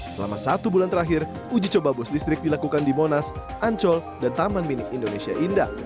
selama satu bulan terakhir uji coba bus listrik dilakukan di monas ancol dan taman mini indonesia indah